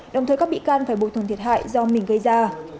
đồng thời các bị can phải bồi thường thiệt hại do mình gây ra